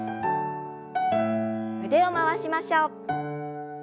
腕を回しましょう。